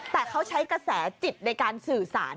แต่เขาใช้กระแสจิตในการสื่อสาร